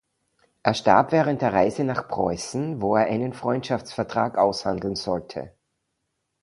Er starb während der Reise nach Preußen, wo er einen Freundschaftsvertrag aushandeln sollte.